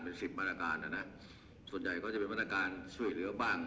เป็นสิบมาตรการน่ะนะส่วนใหญ่ก็จะเป็นมาตรการช่วยเหลือบ้าง